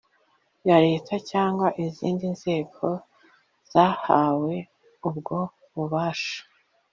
ya Leta cyangwa izindi nzego zahawe ubwo bubasha